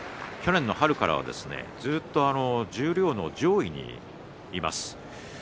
去年の春からはずっと十両の上位にいます。